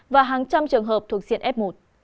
và hàng trăm trường hợp thuộc diện f một